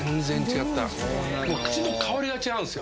口の香りが違うんすよ